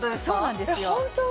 そうなんですよ